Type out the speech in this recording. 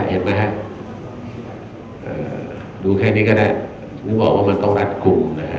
เห็นไหมฮะดูแค่นี้ก็ได้นึกออกว่ามันต้องรัดกลุ่มนะฮะ